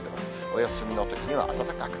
お休みのときには暖かく。